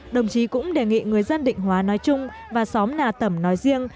đồng chí cũng đề nghị người dân định hóa nói chung và xóm nà tẩm nói riêng